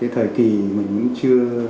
thời kỳ mình chưa